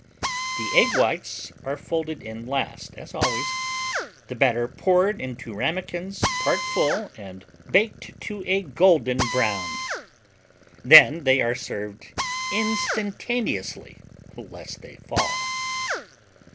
The egg whites are folded in last, as always, the batter poured into ramekins part full and baked to a golden brown. Then they are served instantaneously, lest they fall.